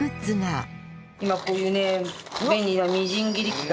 今こういうね便利なみじん切り器がね